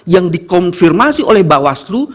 yang dikonfirmasi oleh bawaslu